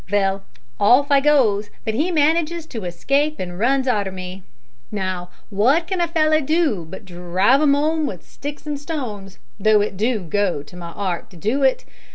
Vell, off I goes, but he manages to escape, an' runs arter me. Now, wot can a feller do but drive 'im 'ome with sticks an' stones, though it do go to my 'eart to do it?